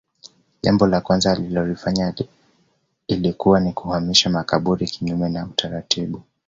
Jambo la kwanza alilolifanya ilikuwa ni kuhamisha makaburi kinyume na utaratibu